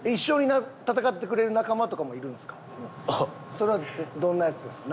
それはどんなヤツですか？